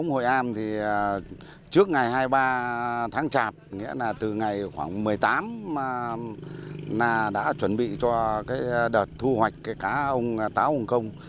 hội am trước ngày hai mươi ba tháng chạp từ ngày khoảng một mươi tám đã chuẩn bị cho đợt thu hoạch cá ông táo hồng công